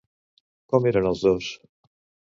Com eren els dos?